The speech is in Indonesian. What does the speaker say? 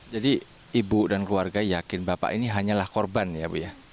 jadi ibu dan keluarga yakin bapak ini hanyalah korban ya